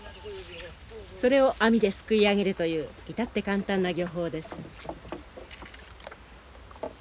それを網ですくい上げるという至って簡単な漁法です。